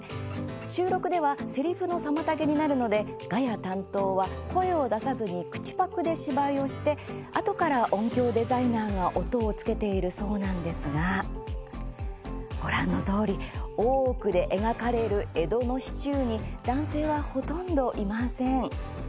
収録ではせりふの妨げになるのでガヤ担当は声を出さずに口パクで芝居をしあとから音響デザイナーが音をつけているそうなんですがご覧のとおり「大奥」で描かれる江戸の市中に男性は、ほとんどいません。